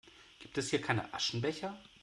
Gibt es hier keinen Aschenbecher?